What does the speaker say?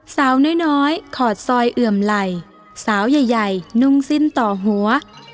สาวน้อยขอดซอยเอื่อมไหล่สาวใหญ่นุ่งสิ้นต่อหัว